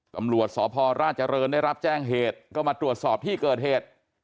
ตำรวจสพราชเจริญได้รับแจ้งเหตุก็มาตรวจสอบที่เกิดเหตุ